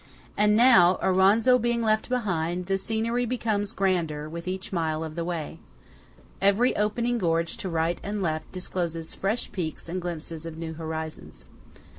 And now, Auronzo being left behind, the scenery becomes grander with each mile of the way. Every opening gorge to right and left discloses fresh peaks and glimpses of new horizons.